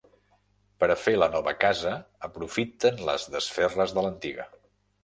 Per a fer la nova casa aprofiten les desferres de l'antiga.